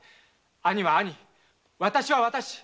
兄は兄私は私。